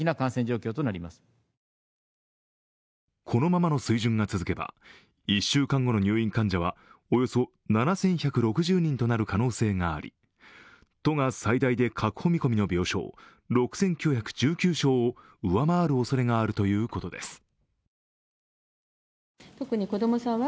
このままの水準が続けば、１週間後の入院患者はおよそ７１６０人となる可能性があり都が最大で確保見込みの病床６９１９床を上回るおそれがあるということです。